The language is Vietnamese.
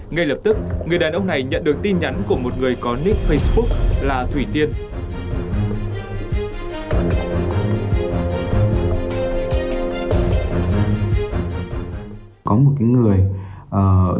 ngay lập tức người đàn ông này nhận được tin nhắn của một người có nick facebook là thủy tiên